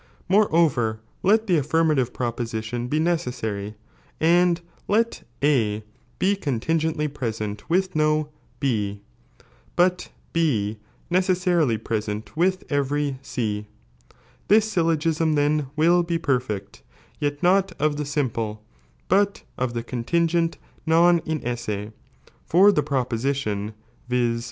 Moi eover, let necMsary, jj^g affirmative proposition bo necessary, and let A be contingently present with no B, but B necessarily pre sent with every C : this syllogism then will be perfect, yet not of the simple, but of tlie contingent non inesse, for the proposition (viz.